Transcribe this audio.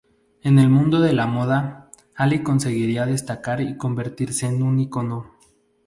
En el mundo de la moda, Ali conseguirá destacar y convertirse en un icono".